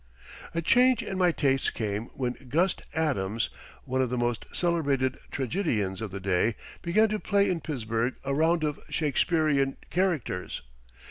A change in my tastes came when "Gust" Adams, one of the most celebrated tragedians of the day, began to play in Pittsburgh a round of Shakespearean characters.